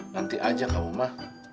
nanti aja kak umar